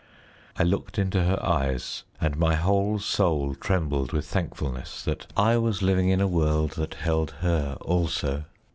I looked into her eyes, and my whole soul trembled with thankfulness that I was living in a world that held her also.